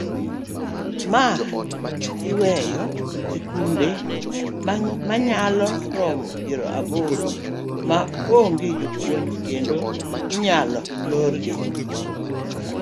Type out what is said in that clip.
Mae oweyo skunde manyalo romo piero aboro maonge jopuonje kendo inyalo lorogi.